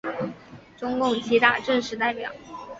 中共七大正式代表。